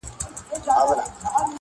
هغه حق په ژوند کي نه سی اخیستلای -